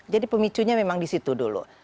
jadi pemicunya memang disitu dulu